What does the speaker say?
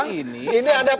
terima kasih tambah mas jokowi